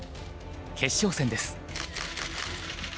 決勝戦です。